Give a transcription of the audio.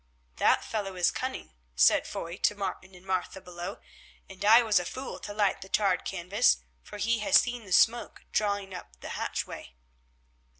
"That fellow is cunning," said Foy to Martin and Martha below, "and I was a fool to light the tarred canvas, for he has seen the smoke drawing up the hatchway."